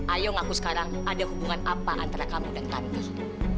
ayo ngaku sekarang ada hubungan apa antara kamu dan tante